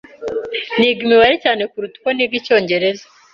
Niga imibare cyane kuruta uko niga Icyongereza.